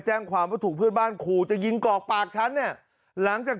แจ้งความว่าถูกเพื่อนบ้านขู่จะยิงกอกปากฉันเนี่ยหลังจาก